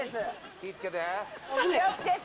気を付けて！